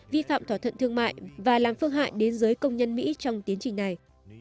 vi phạm thỏa thuận thương mại và làm phương hại đến giới công nhân mỹ trong tiến trình này